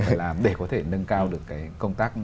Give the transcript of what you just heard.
phải làm để có thể nâng cao được cái công tác